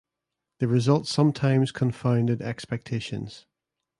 The result sometimes confounded expectations.